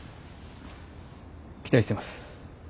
期待してます。